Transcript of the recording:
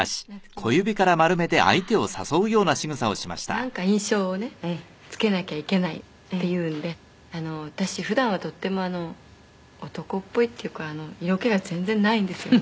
「ですからなんか印象をねつけなきゃいけないっていうんで私普段はとっても男っぽいっていうか色気が全然ないんですよね」